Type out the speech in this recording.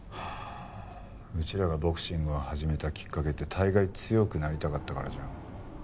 うちらがボクシングを始めたきっかけって大概強くなりたかったからじゃん。